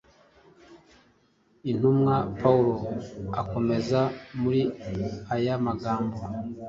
Intumwa Pawulo akomeza muri aya magambo: